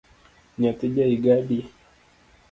Nyathi ja higa adi?